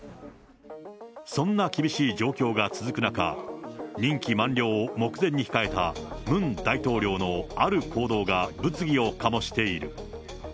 そんな厳しい状況が続く中、任期満了を目前に控えたムン大統領のある行動が物議を醸している。